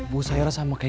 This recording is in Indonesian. bu saya rasa sama kek